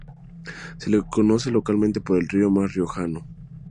Se le conoce localmente por "el río más riojano".